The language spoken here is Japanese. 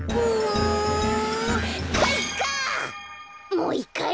もういっかい！